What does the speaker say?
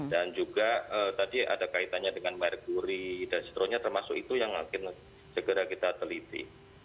dan juga tadi ada kaitannya dengan marguri dan seterusnya termasuk itu yang akan segera kita teliti